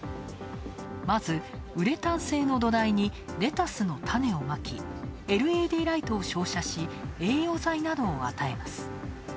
まずウレタン製の土台に、レタスの種をまき、ＬＥＤライトを照射し栄養剤などを与えます。